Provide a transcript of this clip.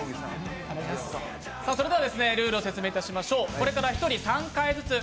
ルールを説明いたしましょう。